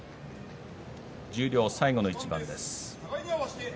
十両最後の一番です。